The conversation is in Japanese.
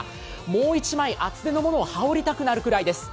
もう一枚、厚手のものを羽織りたくなるぐらいです。